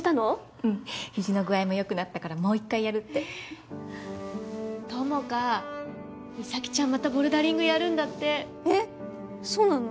うん肘の具合もよくなったからもう一回やるって友果実咲ちゃんまたボルダリングやるんだってえっそうなの？